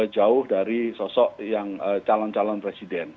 jauh dari sosok yang calon calon presiden